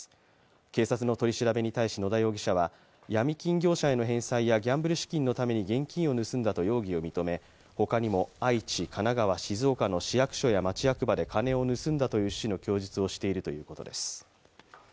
警察の取り調べに対し野田容疑者は、闇金業者への返済やギャンブル資金のために現金を盗んだと容疑を認め他にも愛知、神奈川、静岡の市役所や町役場で金を盗んだという趣旨の供述をしているということです。